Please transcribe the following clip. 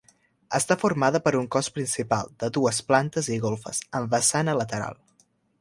Està formada per un cos principal, de dues plantes i golfes, amb vessant a lateral.